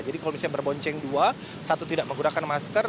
jadi kalau misalnya berbonceng dua satu tidak menggunakan masker